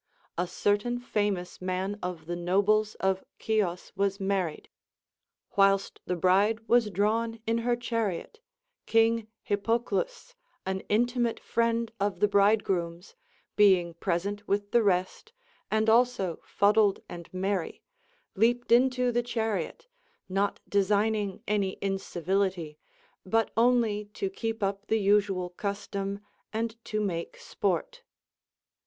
A certain famous man of the nobles of Chios was married ; whilst the bride was drawn in her chariot, King Hippoclus, an intimate friend of the bridegroom's, being present with the rest, and also fuddled and merry, leaped into the chariot, not designing any in civility, but only to keep up the usual custom and to make sport.